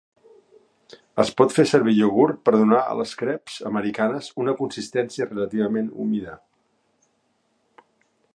Es pot fer servir iogurt per donar a les creps americanes una consistència relativament humida.